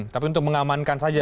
tapi untuk mengamankan saja